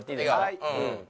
はい。